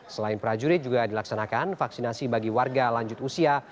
selain prajurit juga dilaksanakan vaksinasi bagi warga lanjut usia